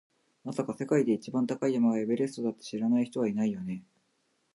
まさか、世界で一番高い山がエベレストだって知らない人はいないよね？